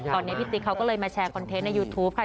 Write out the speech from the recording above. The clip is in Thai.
ตอนนี้พี่ติ๊กเขาก็เลยมาแชร์คอนเทนต์ในยูทูปค่ะ